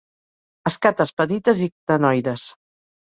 Escates petites i ctenoides.